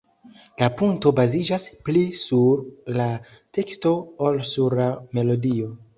La "punto" baziĝas pli sur la teksto ol sur la melodio.